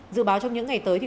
dự báo trong những ngày tới